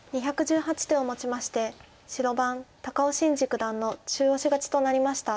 ２１８手をもちまして白番高尾紳路九段の中押し勝ちとなりました。